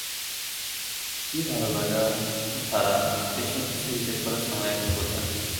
কী ভালো লাগা, কী খারাপ এ সব হিসেব করার সময় কোথায়?